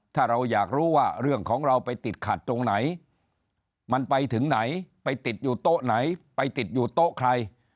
ถ้าเราอยากรู้ว่าเรื่องของเราไปติดขัดตรงไหนมันไปถึงไหนไปติดอยู่โต๊ะไหนไปติดอยู่โต๊ะใคร